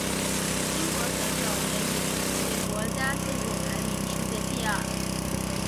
英国选手也以其国家纪录排名世界第二。